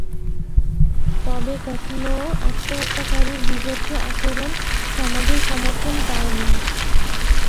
তবে কখনও আত্মহত্যাকারীর বীভৎস আচরণ সমাজের সমর্থন পায়নি।